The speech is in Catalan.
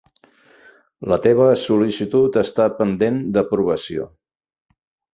La teva sol·licitud està pendent d'aprovació.